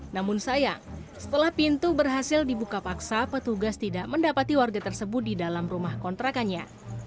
namun sayang setelah pintu berhasil dibuka paksa petugas tidak mendapati warga tersebut di dalam rumah kontrakannya